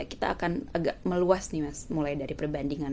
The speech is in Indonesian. kita akan agak meluas nih mas mulai dari perbandingan